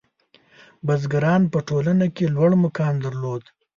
• بزګران په ټولنه کې لوړ مقام درلود.